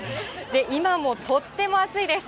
今もとっても暑いです。